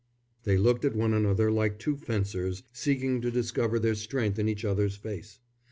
They looked at one another like two fencers, seeking to discover their strength in each other's face.